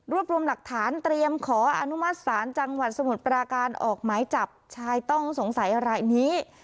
รวมรวมหลักฐานเตรียมขออนุมัติศาลจังหวัดสมุทรปราการออกหมายจับชายต้องสงสัยรายนี้